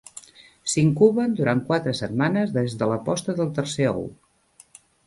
S'incuben durant quatre setmanes des de la posta del tercer ou.